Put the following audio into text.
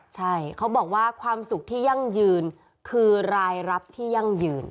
ใช่เขาบอกว่าความสุขที่ยั่งยืนคือรายรับที่ยั่งยืน